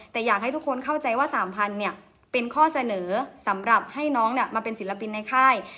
แต่อยากให้ทุกคนเข้าใจว่า๓๐๐เป็นข้อเสนอสำหรับให้น้องมาเป็นศิลปินในค่าย